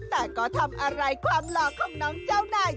แต่ก็ทำอะไรความหล่อของน้องเจ้านาย